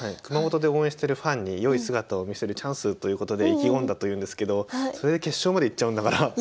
熊本で応援してるファンに良い姿を見せるチャンスということで意気込んだというんですけどそれで決勝まで行っちゃうんだから。